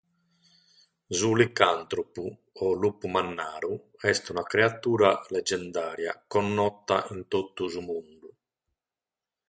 Su licàntropu, o lupu mannaru, est una creatura legendària connota in totu su mundu.